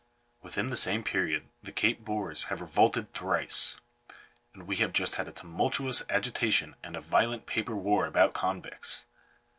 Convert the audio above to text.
Within the same period the Cape Boers have revolted thrice; and we have just had a tumultuous agi tation and a violent paper war about convicts.